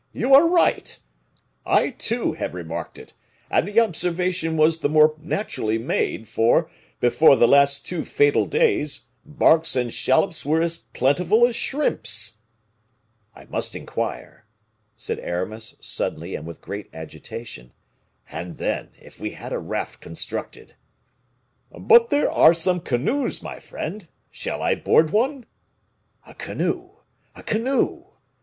you are right. I, too, have remarked it, and the observation was the more naturally made, for, before the last two fatal days, barks and shallops were as plentiful as shrimps." "I must inquire," said Aramis, suddenly, and with great agitation. "And then, if we had a raft constructed " "But there are some canoes, my friend; shall I board one?" "A canoe! a canoe!